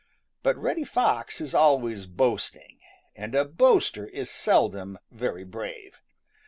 But Reddy Fox is always boasting, and a boaster is seldom very brave.